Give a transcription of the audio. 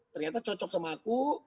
ternyata cocok sama aku